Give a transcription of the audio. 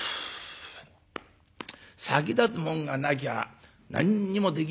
「先立つもんがなきゃ何にもできねえけどもね。